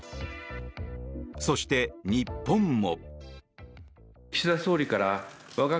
そして日本も。